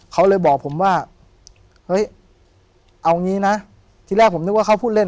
เขาเลยบอกผมว่าเฮ้ยเอางี้นะที่แรกผมนึกว่าเขาพูดเล่น